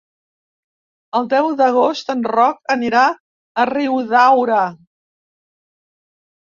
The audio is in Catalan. El deu d'agost en Roc anirà a Riudaura.